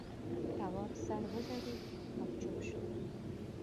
تواب سر وځړېد او چوپ شو.